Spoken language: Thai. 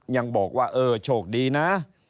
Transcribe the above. ยังบอกว่าเออโชคดีนะ